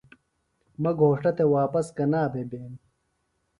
مہ گھوݜٹہ تھےۡ واپس کنا بھےۡ بیم